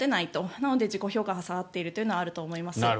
なので自己評価が下がっているというのはあると思います。